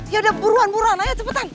yaudah buruan buruan ayo cepetan